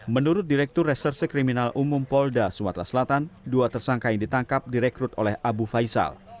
menurut direktur reserse kriminal umum polda sumatera selatan dua tersangka yang ditangkap direkrut oleh abu faisal